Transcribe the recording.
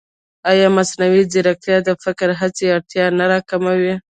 ایا مصنوعي ځیرکتیا د فکري هڅې اړتیا نه راکموي؟